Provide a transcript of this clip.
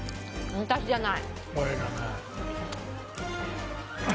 俺じゃない。